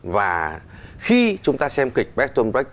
và khi chúng ta xem kịch battle break